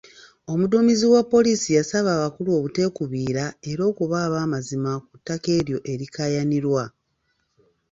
Omuduumizi wa poliisi yasaba abakulu obuteekubira era okuba ab'amazima ku ttaka eryo erikaayanirwa.